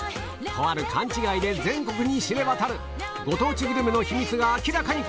とある勘違いで全国に知れ渡るご当地グルメの秘密が明らかに！